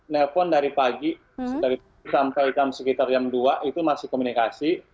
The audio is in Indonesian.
nelpon dari pagi dari sampai sekitar jam dua itu masih komunikasi